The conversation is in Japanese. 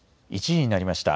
１時になりました。